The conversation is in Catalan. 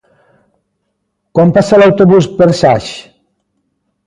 Quan passa l'autobús per Saix?